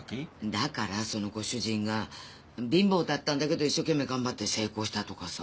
だからそのご主人が貧乏だったんだけど一生懸命頑張って成功したとかさ。